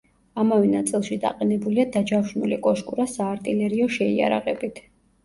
ამავე ნაწილში დაყენებულია დაჯავშნული კოშკურა საარტილერიო შეიარაღებით.